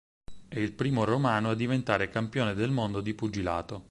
È il primo romano a diventare campione del mondo di pugilato.